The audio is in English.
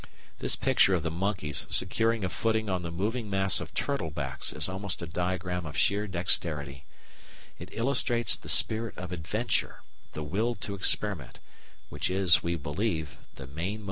This picture of the monkeys securing a footing on the moving mass of turtle backs is almost a diagram of sheer dexterity. It illustrates the spirit of adventure, the will to experiment, which is, we believe, the main motive force in new departures in behaviour.